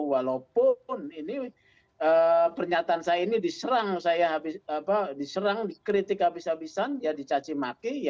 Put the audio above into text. walaupun pernyataan saya ini diserang dikritik habis habisan dicacimaki